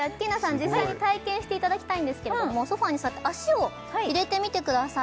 実際に体験していただきたいんですけどもソファに座って足を入れてみてください